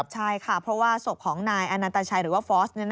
ใช่ค่ะเพราะว่าศพของนายอนันตชัยหรือว่าฟอส